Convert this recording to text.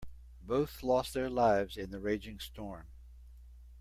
Both lost their lives in the raging storm.